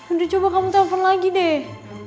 udah coba kamu telpon lagi deh